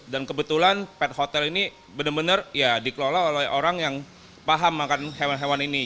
dan kebetulan pet hotel ini benar benar ya dikelola oleh orang yang paham makan hewan hewan ini